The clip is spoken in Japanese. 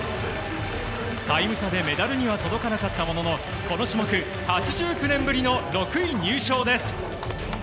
タイム差でメダルには届かなかったもののこの種目８９年ぶりの６位入賞です。